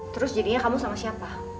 terus jadinya kamu sama siapa